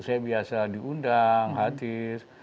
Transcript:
saya biasa diundang hadir